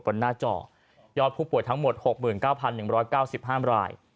บนหน้าจอยอดผู้ป่วยทั้งหมดหกหมื่นเก้าพันหนึ่งร้อยเก้าสิบห้ามราย